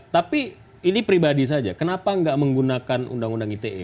tapi ini pribadi saja kenapa nggak menggunakan undang undang ite